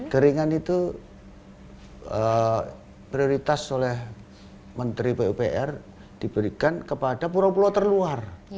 keringan itu prioritas oleh menteri pupr diberikan kepada pulau pulau terluar